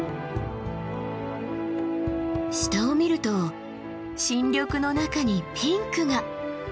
下を見ると新緑の中にピンクが。